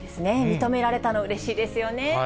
認められたの、うれしいですよね。